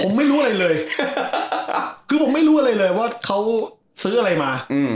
ผมไม่รู้อะไรเลยคือผมไม่รู้อะไรเลยว่าเขาซื้ออะไรมา